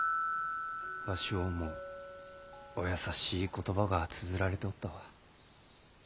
わしを思うお優しい言葉がつづられておったわ。